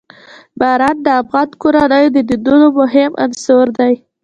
باران د افغان کورنیو د دودونو مهم عنصر دی.